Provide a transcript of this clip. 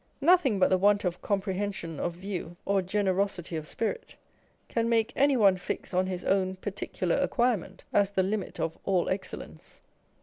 Nothing but the want of comprehension of view or gene rosity of spirit can make any one fix on his own particular acquirement as the limit of all excellence.